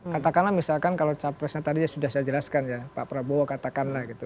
katakanlah misalkan kalau capresnya tadi sudah saya jelaskan ya pak prabowo katakanlah gitu